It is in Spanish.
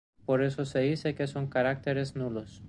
Por eso se dice que son caracteres nulos.